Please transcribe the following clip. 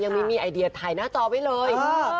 ไม่มีไอเดียถ่ายหน้าจอไว้เลย